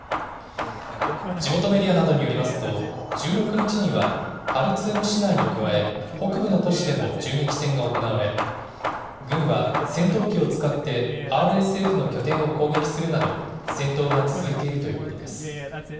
地元メディアなどによりますと、１６日にはハルツーム市内に加え、北部の都市でも銃撃戦が行われ、軍は戦闘機を使ってＲＳＦの拠点を攻撃するなど、戦闘が続いているということです。